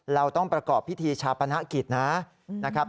เราต้องประกอบพิธีชาปนกิจนะครับ